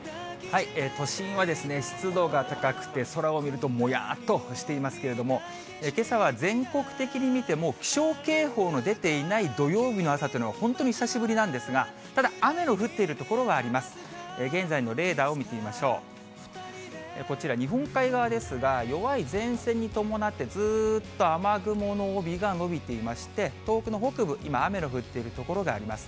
都心はですね、湿度が高くて、空を見るともやーっとしていますけれども、けさは全国的に見ても、気象警報の出ていない土曜日の朝というのは本当に久しぶりなんですが、ただ雨の降っている所はあります。